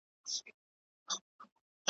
د کوترو لویه خونه کي کوتري ,